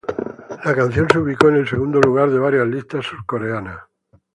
La canción se ubicó en el segundo lugar de varias listas surcoreanas.